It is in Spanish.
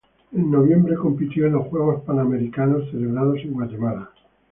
En noviembre compitió en los Juegos Pan Americanos celebrados en Guatemala.